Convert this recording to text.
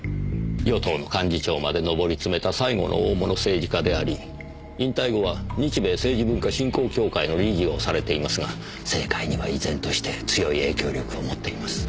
与党の幹事長までのぼりつめた最後の大物政治家であり引退後は日米政治文化振興協会の理事をされていますが政界には依然として強い影響力を持っています。